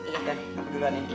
ya aku dulu ani